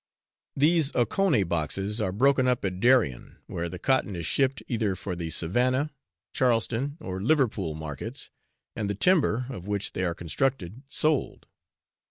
These Ocone boxes are broken up at Darien, where the cotton is shipped either for the Savannah, Charleston or Liverpool markets, and the timber, of which they are constructed, sold.